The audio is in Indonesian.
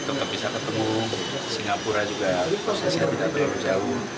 kita bisa ketemu singapura juga saya tidak terlalu jauh